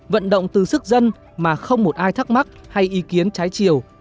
vận động từ sức dân mà không một ai thắc mắc hay ý kiến trái chiều